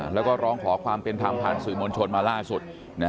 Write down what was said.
แล้วก็ร้องขอความเป็นธรรมผ่านสื่อมวลชนมาล่าสุด